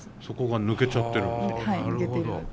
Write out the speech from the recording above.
そこが抜けちゃってる？